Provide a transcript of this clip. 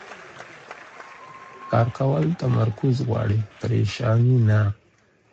کار کول تمرکز غواړي، پریشاني نه.